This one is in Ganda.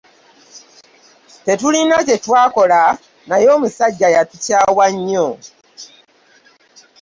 Tetulina kye twakola naye omusajja yatukyawa nnyo.